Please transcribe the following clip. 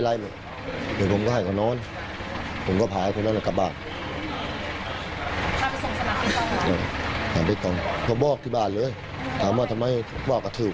เรื่องด้านแม่ล่ะนั่งคุยปกติคุยกับคนตานี้ปกติ